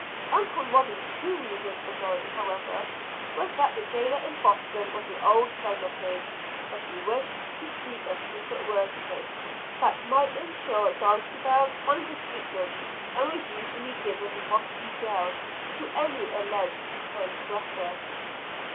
Uncle Robie's true reason for going, however, was that the jailer in Boston was an old friend of his, and he wished to speak a secret word to him that might insure Dulcibel kinder treatment than was usually given in Boston jail to any alleged transgressor.